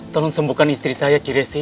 tolong sembuhkan istri saya ki resi